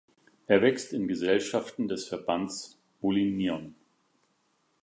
Er wächst in Gesellschaften des Verbands Molinion.